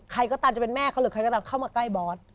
ใครก็ตามจะเป็นแม่เขาหรือใครก็ตามเข้ามาใกล้บอส